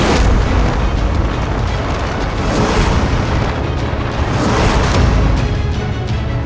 aku harus mencari tempat yang lebih aman